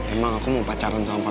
emang aku mau pacaran sama papi kamu